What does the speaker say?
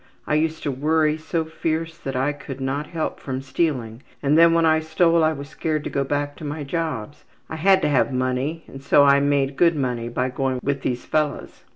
I used to worry so fierce that I could not help from stealing and then when I stole I was scared to go back to my jobs. I had to have money and so I made good money by going with these fellows.